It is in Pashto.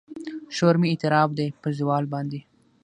شور مې اعتراف دی په زوال باندې